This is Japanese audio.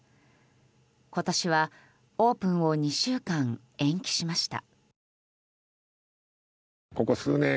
今年はオープンを２週間延期しました。